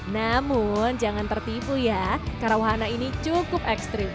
namun jangan tertipu ya karena wahana ini cukup ekstrim